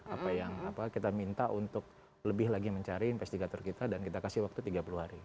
apa yang kita minta untuk lebih lagi mencari investigator kita dan kita kasih waktu tiga puluh hari